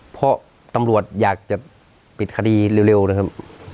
เพราะตำรวจอยากจัดปิดคดีเราก่อน